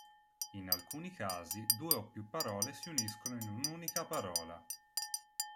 In alcuni casi due o più parole si uniscono in un'unica parola.